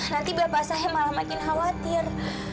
nanti bapak saya malah makin khawatir